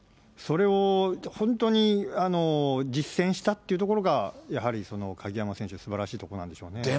それを本当に実践したっていうところが、やはり鍵山選手のすばらしいところなんでしょうね。